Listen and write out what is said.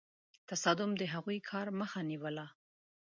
تصادم د هغوی کار مخه نیوله.